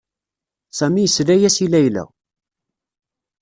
Sami yesla-as i Layla.